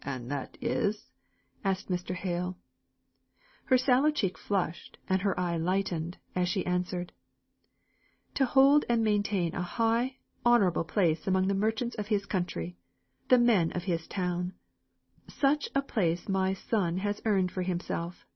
"And that is ?" asked Mr. Hale. Her sallow cheek flushed, and her eye lightened, as she answered: "To hold and maintain a high, honourable place among the merchants of his country the men of his town. Such a place my son has earned for himself.